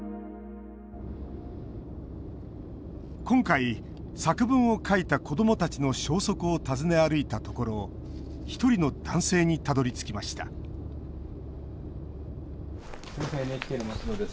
今回、作文を書いた子どもたちの消息を訪ね歩いたところ１人の男性にたどりつきましたＮＨＫの者です。